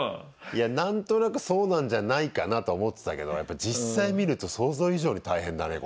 いや何となくそうなんじゃないかなとは思ってたけどやっぱり実際見ると想像以上に大変だね